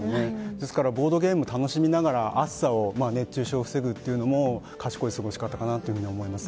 ですからボードゲームを楽しみながら暑さ、熱中症を防ぐというのも賢い過ごし方かなと思います。